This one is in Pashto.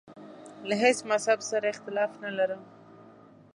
له هیڅ مذهب سره اختلاف نه لرم.